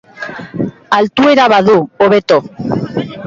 Altuera badu, hobeto.